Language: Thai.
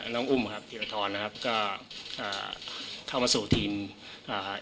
น้องอุ้มครับธีรทรนะครับก็อ่าเข้ามาสู่ทีมอ่า